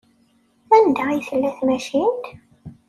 Anda ay tella tmacint?